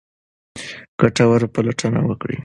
ګټوره پلټنه وکړئ.